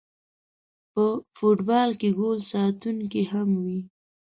په فوټبال کې ګول ساتونکی هم وي